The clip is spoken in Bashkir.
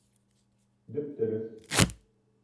Дөп-дөрөҫ!